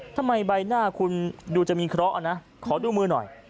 ทำไมใบหน้าคุณดูจะมีเคราะห์นะขอดูมือหน่อย